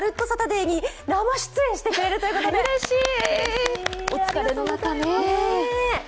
サタデー」に生出演してくれるということです。